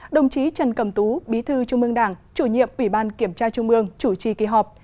đồng chí trần cẩm tú bí thư trung ương đảng chủ nhiệm ủy ban kiểm tra trung ương chủ trì kỳ họp